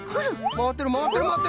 まわってるまわってるまわってる！